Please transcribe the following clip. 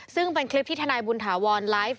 ซึ่งเป็นคลิปที่ทนายบุญถาวรไลฟ์